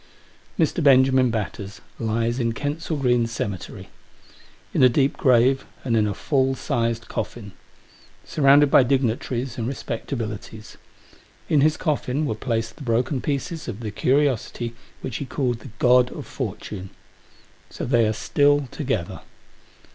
Mr. Benjamin Batters lies in Kensal Green Cemetery. In a deep grave, and in a full sized coffin. Surrounded by dignitaries and respectabilities. In his coffin were placed the broken pieces of the curiosity which he called the God of Fortune. So they are still together.